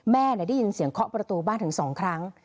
ได้ยินเสียงเคาะประตูบ้านถึง๒ครั้ง